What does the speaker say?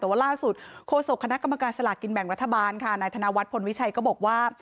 แต่ว่าล่าสุดโฆษกคณะกรรมการสลากกินแบ่งรัฐบาลค่ะนายธนวัฒนพลวิชัยก็บอกว่า